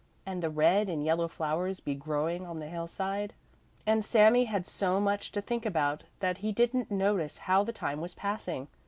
and the red and yellow flowers be growing on the hillside? And Sami had so much to think about that he didn't notice how the time was passing.